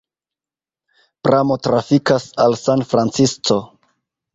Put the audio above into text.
Pramo trafikas al San Francisco.